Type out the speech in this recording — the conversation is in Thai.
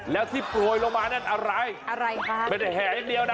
แล้วที่โปรยลงมานั่นอะไรอะไรคะไม่ได้แห่อย่างเดียวนะ